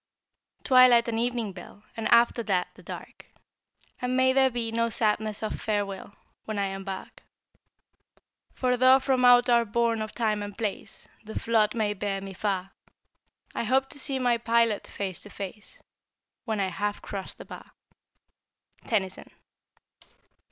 Twilight and evening bell, And after that the dark! And may there be no sadness of farewell, When I embark. For tho' from out our bourne of Time and Place The flood may bear me far, I hope to see my Pilot face to face When I have cros't the bar. Tennyson.